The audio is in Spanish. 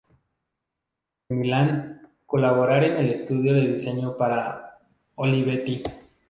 En Milán colaborar en el estudio de diseño para Olivetti.